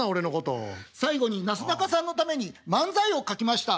「最後になすなかさんのために漫才を書きました」。